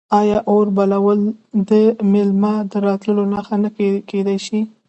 آیا اور بلول د میلمه د راتلو نښه نه کیدی شي؟